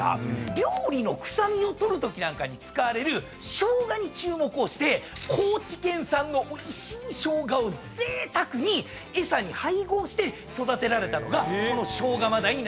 料理の臭みを取るときなんかに使われる生姜に注目をして高知県産のおいしい生姜をぜいたくに餌に配合して育てられたのがこの生姜真鯛になってるんですよね。